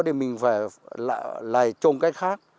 thì mình phải lại trồng cây khác